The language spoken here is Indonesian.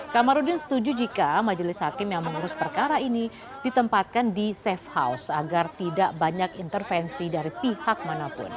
kamarudin setuju jika majelis hakim yang mengurus perkara ini ditempatkan di safe house agar tidak banyak intervensi dari pihak manapun